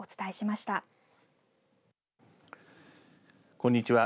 こんにちは。